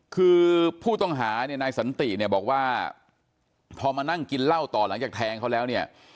คือผู้ต้องหาเนี่ยนายสันติเนี่ยบอกว่าพอมานั่งกินเหล้าต่อหลังจากแทงเขาแล้วเนี่ย